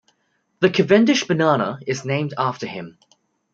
The Cavendish banana is named after him.